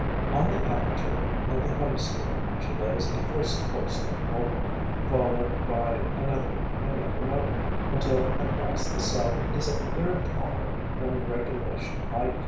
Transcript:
On the aperture of the honey store she lays a first course of mortar, followed by another and yet another, until at last the cell is a third taller then the regulation height.